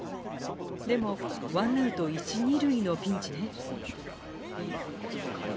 でも１アウト１・２塁のピンチね。